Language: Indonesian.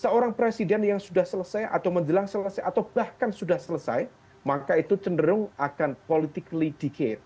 seorang presiden yang sudah selesai atau menjelang selesai atau bahkan sudah selesai maka itu cenderung akan politically decate